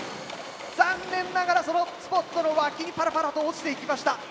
残念ながらそのスポットの脇にパラパラと落ちていきました。